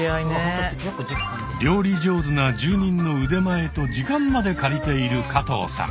料理上手な住人の腕前と時間まで借りている加藤さん。